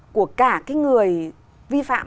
của cả cái người vi phạm